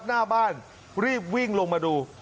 หน้าบ้านรีบวิ่งลงมาดู